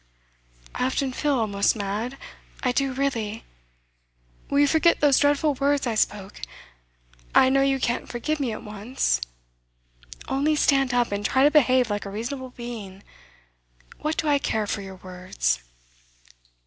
'I often feel almost mad I do really. Will you forget those dreadful words I spoke? I know you can't forgive me at once ' 'Only stand up, and try to behave like a reasonable being. What do I care for your words?